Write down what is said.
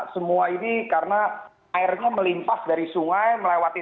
semua ini karena airnya melimpas dari sungai melewati